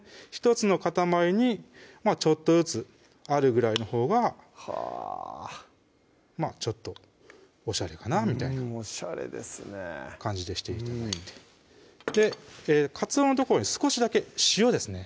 １つの塊にちょっとずつあるぐらいのほうがまぁちょっとおしゃれかなみたいなうんおしゃれですね感じでして頂いてかつおの所に少しだけ塩ですね